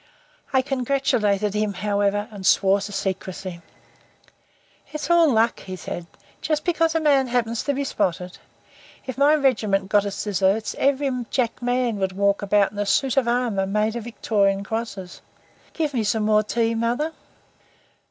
I congratulated him, however, and swore to secrecy. "It's all luck," said he. "Just because a man happens to be spotted. If my regiment got its deserts, every Jack man would walk about in a suit of armour made of Victoria Crosses. Give me some more tea, mother."